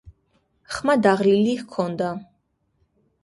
ხმა დაღლილი ჰქონდა.